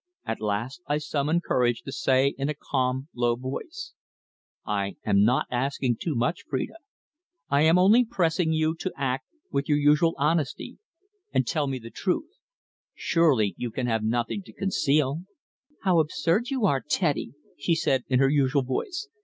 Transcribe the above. At last I summoned courage to say in a calm, low voice; "I am not asking too much, Phrida. I am only pressing you to act with your usual honesty, and tell me the truth. Surely you can have nothing to conceal?" "How absurd you are, Teddy!" she said in her usual voice.